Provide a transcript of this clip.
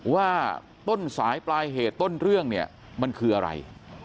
ว่าต้นสายปลายเหตุต้นเรื่องเนี่ยมันคืออะไร